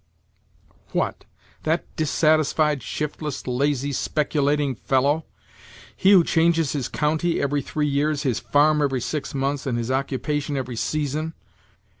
"What, that dissatisfied, shiftless, lazy, speculating fellow! he who changes his county every three years, his farm every six months, and his occupation every season!